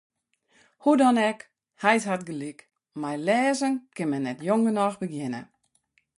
Hoe dan ek, heit hat gelyk: mei lêzen kin men net jong genôch begjinne.